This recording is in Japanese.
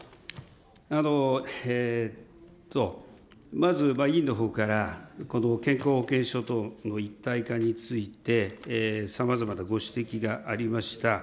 まず委員のほうから健康保険証との一体化について、さまざまなご指摘がありました。